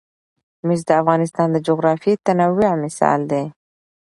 مس د افغانستان د جغرافیوي تنوع مثال دی.